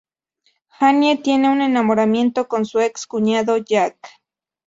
Annie tiene un enamoramiento con su ex-cuñado, Jack.